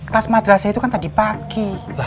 pas madrasah itu kan tadi pagi